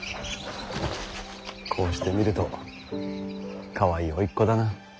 こうして見るとかわいい甥っ子だな。